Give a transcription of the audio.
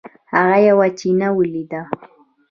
هغه یوه چینه ولیده.